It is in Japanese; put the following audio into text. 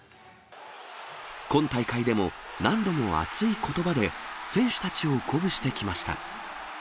今大会でも、何度も熱いことばで選手たちを鼓舞してきました。